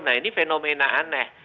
nah ini fenomena aneh